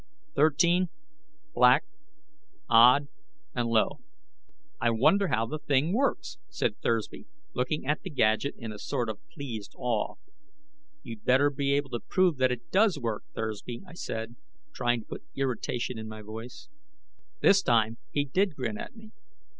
Thirteen, Black, Odd, and Low. "I wonder how the thing works?" said Thursby, looking at the gadget in a sort of pleased awe. "You'd better be able to prove that it does work, Thursby," I said, trying to put irritation into my voice. This time, he did grin at me.